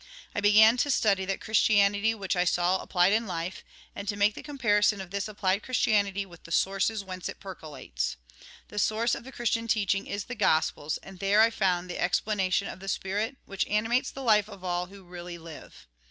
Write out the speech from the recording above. I began to study that Christianity which I saw AUTHOR'S PREFACE 9 applied in Kfe, and to make the comparison of this applied Christianity with the sources whence it percolates. The source of the Christian teaching is the Gospels, and there I found the explanation of the spirit which animates the life of all who really hve.